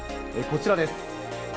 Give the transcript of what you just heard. こちらです。